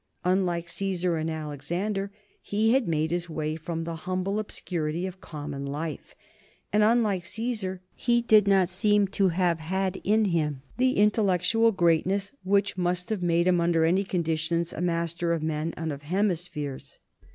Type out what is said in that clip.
Unlike Caesar and Alexander, he had made his way from the humble obscurity of common life, and, unlike Caesar, he did not seem to have had in him the intellectual greatness which must have made him, under any conditions, a master of men and of hemispheres.